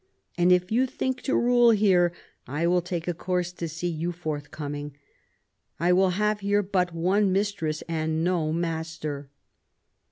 And, if you think to rule here, I will take a course to see you forthcoming. I will have here but one mistress, and no master."